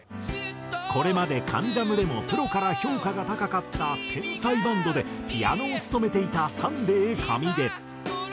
これまで『関ジャム』でもプロから評価が高かった天才バンドでピアノを務めていたＳｕｎｄａｙカミデ。